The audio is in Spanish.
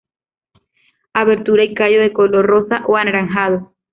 Abertura y callo de color rosa o anaranjado.